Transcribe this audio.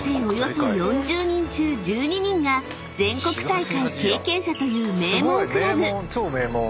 およそ４０人中１２人が全国大会経験者という名門クラブ］